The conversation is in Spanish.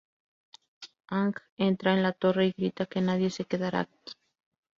Aang entra en la torre y grita que nadie se quedará aquí.